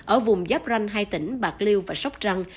ở vùng giáp ranh hai tỉnh bạc liêu và sóc trăng